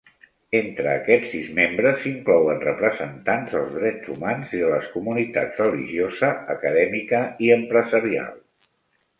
Entre aquests sis membres s'inclouen representants dels drets humans i de les comunitats religiosa, acadèmica i empresarial.